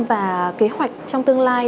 và kế hoạch trong tương lai